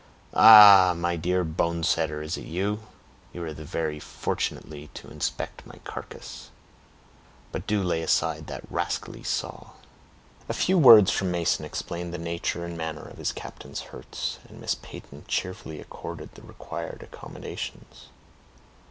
"Ah! my dear bonesetter, is it you? You are here very fortunately to inspect my carcass; but do lay aside that rascally saw!" A few words from Mason explained the nature and manner of his captain's hurts, and Miss Peyton cheerfully accorded the required accommodations.